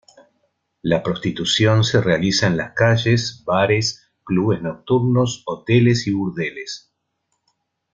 La prostitución se realiza en las calles, bares, clubes nocturnos, hoteles y burdeles.